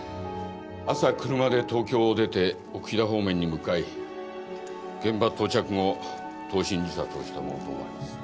朝車で東京を出て奥飛騨方面に向かい現場到着後投身自殺をしたものと思われます。